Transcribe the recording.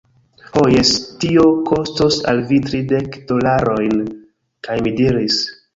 Ho jes, tio kostos al vi tridek dolarojn. kaj mi diris: